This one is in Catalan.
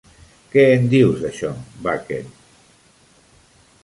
Que en dius d'això, Bucket?